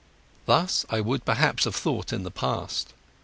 Thus, I would perhaps have thought in the past.